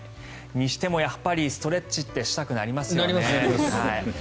にしてもストレッチってしたくなりますよね。